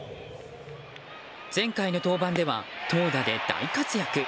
前回の登板では投打で大活躍。